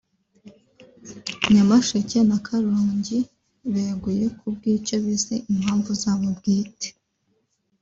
Nyamasheke na Karongi beguye kubw’icyo bise ‘impamvu zabo bwite’